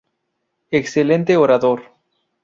Excelente orador.